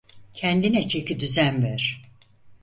Kendine çeki düzen ver.